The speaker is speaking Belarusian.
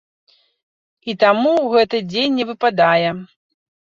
І таму ў гэты дзень не выпадае.